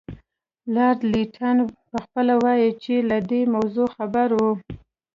لارډ لیټن پخپله وایي چې له دې موضوع خبر وو.